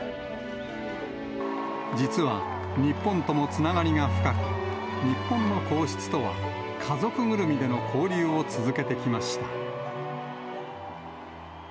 実は日本ともつながりが深く、日本の皇室とは家族ぐるみでの交流を続けてきました。